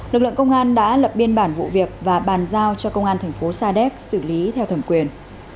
lực lượng công an đã lập biên bản vụ việc và bàn giao cho công an thành phố sa đéc xử lý theo thẩm quyền